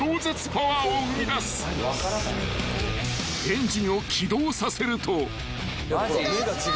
［エンジンを起動させると］